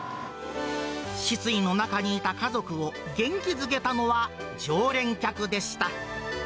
失意の中にいた家族を元気づけたのは、常連客でした。